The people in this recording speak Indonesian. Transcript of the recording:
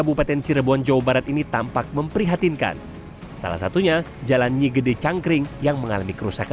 dan sementara itu jika kondisi cuaca panas